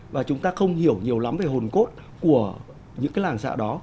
và chúng ta không hiểu nhiều lắm về hồn cốt của những làng xã đó